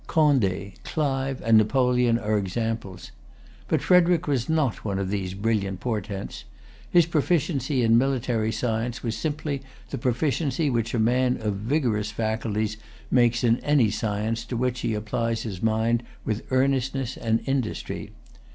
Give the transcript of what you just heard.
Condé, Clive, and Napoleon are examples. But Frederic was not one of these brilliant portents. His proficiency in military science was simply the proficiency which a man of vigorous faculties makes in any science to which he applies his mind with earnestness and industry.